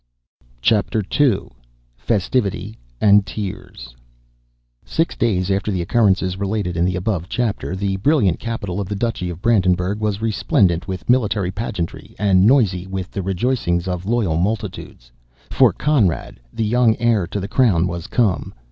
CHAPTER II. FESTIVITY AND TEARS Six days after the occurrences related in the above chapter, the brilliant capital of the Duchy of Brandenburgh was resplendent with military pageantry, and noisy with the rejoicings of loyal multitudes; for Conrad, the young heir to the crown, was come.